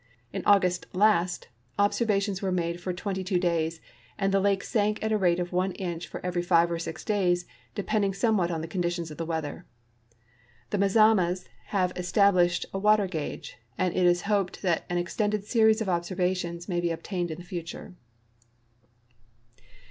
In August last observations were made for twenty two days, and the lake sank at the rate of one inch for every five or six days, depending somewhat on the conditions of the weather. The Mazamas have established a water gauge, and it is hoped that an extended series of observations may be obtained in the future.